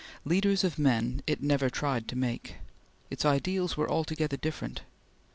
Leaders of men it never tried to make. Its ideals were altogether different.